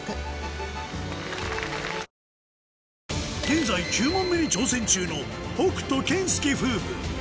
現在９問目に挑戦中の北斗・健介夫婦